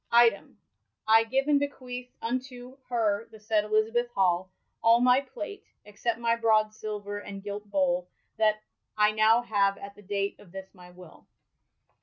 Item, I gyve and bequeath unto [her] the saied Elizabeth Hall, all my plate, eoccept iny brod silver and gilt bole^ that I now have att the date of this my will.